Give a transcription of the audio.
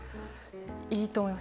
いいと思います。